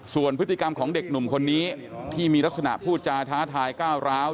ส่วนพฤติกรรมของเด็กหนุ่มคนนี้ที่มีลักษณะพูดจาท้าทายก้าวร้าว